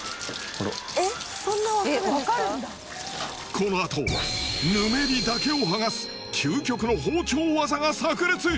このあとぬめりだけをはがす究極の包丁技が炸裂！